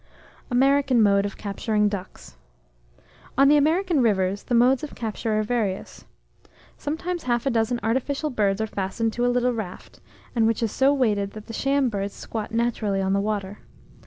AMERICAN MODE OF CAPTURING DUCKS. On the American rivers, the modes of capture are various. Sometimes half a dozen artificial birds are fastened to a little raft, and which is so weighted that the sham birds squat naturally on the water.